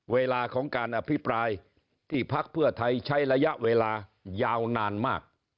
เวลาของการอภิปรายที่พักเพื่อไทยใช้ระยะเวลายาวนานมาก